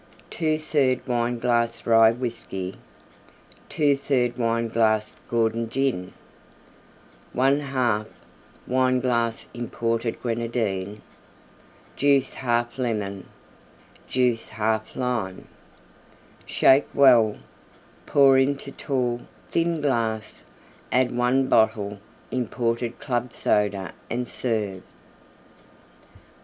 2/3 Wineglass Rye Whiskey. 2/3 Wineglass Gordon Gin. 1/2 Wineglass Imported Grenadine. Juice 1/2 Lemon. Juice 1/2 Lime. Shake well; pour into tall, thin glass; add one bottle Imported Club Soda and serve.